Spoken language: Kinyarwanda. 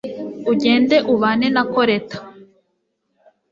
ugende ubane na koleta